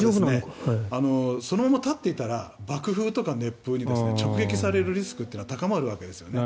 そのまま立っていたら爆風とか熱風に直撃されるリスクが高まるわけですよね。